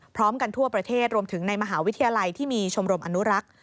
พร้อมกันทั่วประเทศรวมถึงในมหาวิทยาลัยที่มีชมรมอนุรักษ์